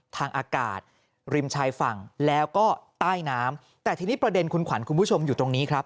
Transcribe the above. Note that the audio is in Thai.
ทางอากาศริมชายฝั่งแล้วก็ใต้น้ำแต่ทีนี้ประเด็นคุณขวัญคุณผู้ชมอยู่ตรงนี้ครับ